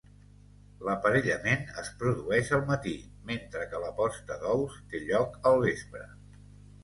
L'aparellament es produeix al matí, mentre que la posta d'ous té lloc al vespre.